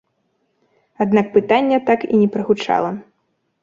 Аднак пытання так і не прагучала.